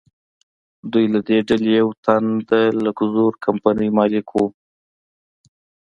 دوی له دې ډلې یو تن د لکزور کمپنۍ مالک و.